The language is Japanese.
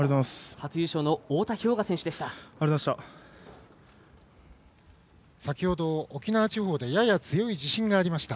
初優勝の太田彪雅選手でした。